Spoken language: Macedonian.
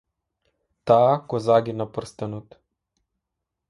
Таа го загина прстенот.